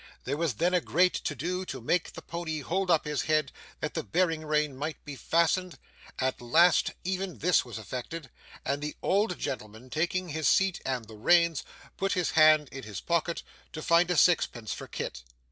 There was then a great to do to make the pony hold up his head that the bearing rein might be fastened; at last even this was effected; and the old gentleman, taking his seat and the reins, put his hand in his pocket to find a sixpence for Kit.